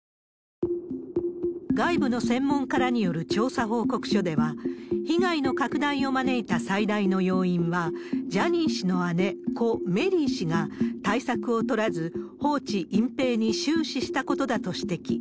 外部の専門家らによる調査報告書では、被害の拡大を招いた最大の要因は、ジャニー氏の姉、故・メリー氏が対策を取らず、放置、隠蔽に終始したことだと指摘。